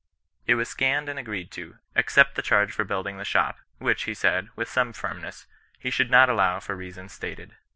It was scanned and agreed to, except the charge for building the shop, which, he said, with some firmness, he should not allow for reasons stated.